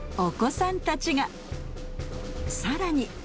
さらに。